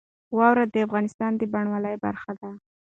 واوره د افغانستان د بڼوالۍ برخه ده.